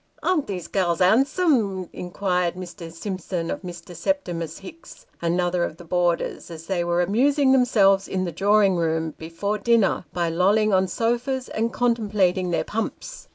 " Are these gals 'andsome ?" inquired Mr. Simpson of Mr. Septimus Hicks, another of the boarders, as they were amusing themselves in the drawing room, before dinner, by lolling on sofas, and contem plating their pumps.